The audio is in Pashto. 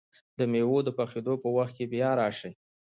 د مېوو د پخېدو په وخت کې بیا راشئ!